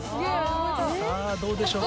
さぁどうでしょうか？